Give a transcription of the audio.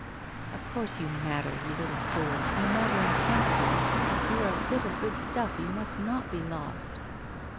... Of course you matter, you little fool, you matter intensely, you are a bit of good stuff, you must not be lost.